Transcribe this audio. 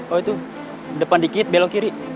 oh itu depan dikit belok kiri